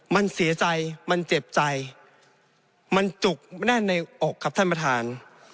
มันเสียใจมันเจ็บใจมันจุกแน่นในอกครับท่านประธาน